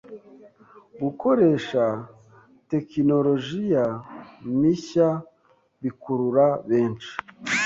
Gukoresha tekinolojiya mishya bikurura benshi.